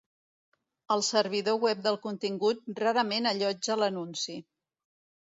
El servidor web del contingut rarament allotja l'anunci.